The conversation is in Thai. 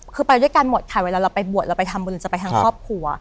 คือไปด้วยกันหมดค่ะเวลาเราไปบวชเราไปทำบุญจะไปทางครอบครัว